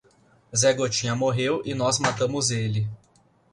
Zé Gotinha morreu e nós matamos ele.